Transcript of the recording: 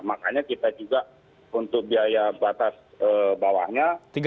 makanya kita juga untuk biaya batas bawahnya